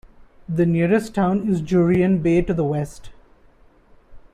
The nearest town is Jurien Bay to the west.